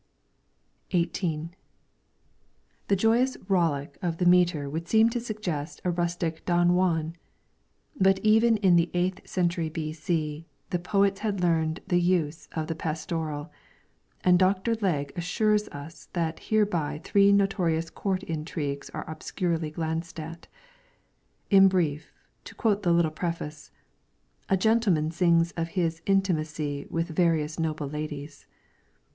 18 LYRICS FROM THE CHINESE XVIII The joyous rollick of the metre would seem to suggest a rustic Don Juan, but even in the eighth century b.c. the poets had learned the uses of the pastoral, and Dr. Legge assures us that hereby three notorious court intrigues are obscurely glanced at. In brief, to quote the ' Little Preface,' ' A Gentleman sings of his Intimacy with Various Noble Ladies.'